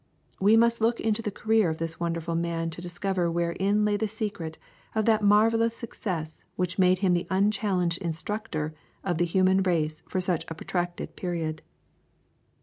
We must look into the career of this wonderful man to discover wherein lay the secret of that marvellous success which made him the unchallenged instructor of the human race for such a protracted period.